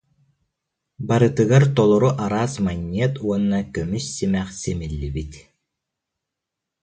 Барытыгар толору араас манньыат уонна көмүс симэх симиллибит